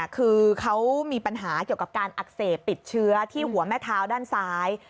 คือเขามีปัญหาเกี่ยวกับการอักเสบติดเชื้อที่หัวแม่เท้าด้านซ้าย